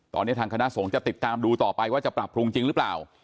ตอนนี้ทางคณะสงฆ์จะติดตามดูต่อไปว่าจะปรับปรุงจริงหรือเปล่า